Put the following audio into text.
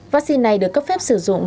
vắc xin này được cấp phép sử dụng